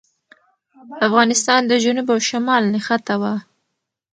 افغانستان د جنوب او شمال نښته وه.